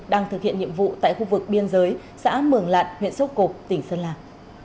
đang thực hiện nhiệm vụ tại khu vực biên giới xã mường lạn huyện sốt cục tỉnh sơn lạc